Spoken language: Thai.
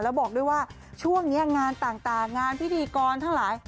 แล้วบอกด้วยว่าช่วงนี้งานต่างงานพิธีกรทั้งหลาย